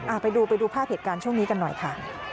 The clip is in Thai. ไปดูไปดูภาพเหตุการณ์ช่วงนี้กันหน่อยค่ะ